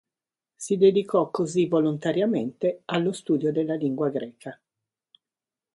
Si dedicò così volontariamente allo studio della lingua greca.